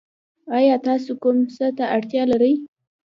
ایا تاسو کوم څه ته اړتیا لرئ؟